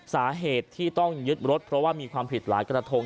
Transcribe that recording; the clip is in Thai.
สาเหตุที่ต้องยึดรถเพราะว่ามีความผิดหลายกระทง